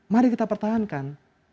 mari kita pertahankan